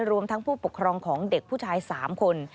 รวมทั้งผู้ปกครองของเด็กผู้ชาย๓คน